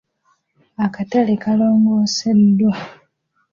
Akatale kaalongoseddwa.